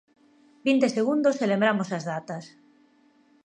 Vinte segundos e lembramos as datas.